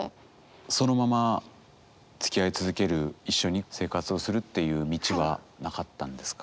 そのままつきあい続ける一緒に生活をするっていう道はなかったんですか？